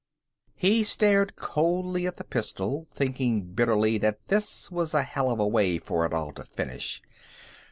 He stared coldly at the pistol, thinking bitterly that this was a hell of a way for it all to finish.